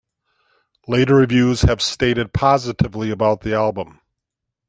Later reviews have stated positively about the album.